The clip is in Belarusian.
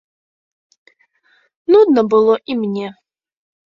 Нудна было і мне.